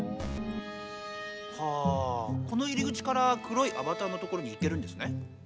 はあこの入り口から黒いアバターのところに行けるんですね。